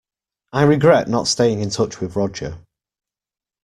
I regret not staying in touch with Roger.